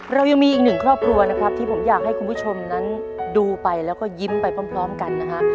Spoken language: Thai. เรายังมีอีกหนึ่งครอบครัวนะครับที่ผมอยากให้คุณผู้ชมนั้นดูไปแล้วก็ยิ้มไปพร้อมกันนะฮะ